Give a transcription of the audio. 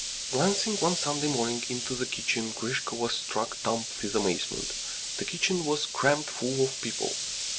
..." Glancing one Sunday morning into the kitchen, Grisha was struck dumb with amazement. The kitchen was crammed full of people.